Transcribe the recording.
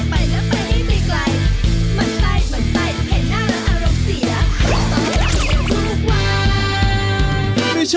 มันไปมันไปเห็นหน้าและอารมณ์เสียต่อไปทุกวัน